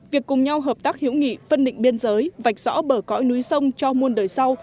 việc cùng nhau hợp tác hiểu nghị phân định biên giới vạch rõ bờ cõi núi sông cho muôn đời sau